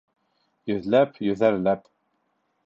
Йөҙләп, йөҙәрләп